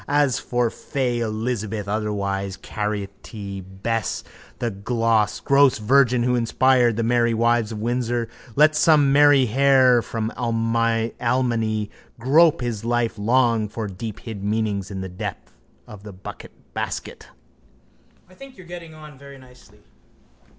As for fay Elizabeth, otherwise carrotty Bess, the gross virgin who inspired The Merry Wives of Windsor, let some meinherr from Almany grope his life long for deephid meanings in the depths of the buckbasket. I think you're getting on very nicely.